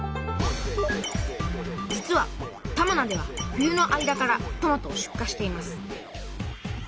実は玉名では冬の間からトマトを出荷しています。